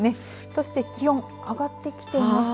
そして気温上がってきています。